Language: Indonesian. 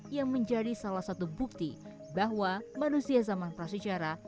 yang menjadi salah satu bukti bahwa manusia zaman prasejarah